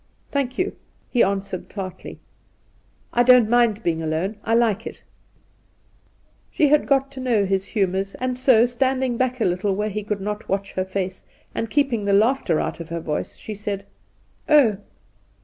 'Thank, you!' he answered tartly; 'I don't mind being alone. I like it !' She had got to know his humours, and so, standi ing back a little where he could not watch her face, and keeping the laughter out of her voice, she said: 'Oh!'